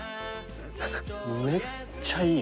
めっちゃいい。